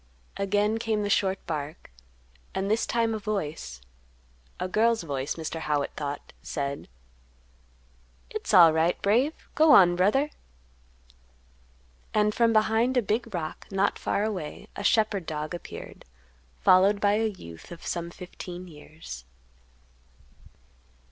Again came the short bark; and this time a voice—a girl's voice, Mr. Howitt thought—said, "It's alright, Brave; go on, brother." And from behind a big rock not far away a shepherd dog appeared, followed by a youth of some fifteen years.